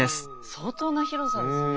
相当な広さですね。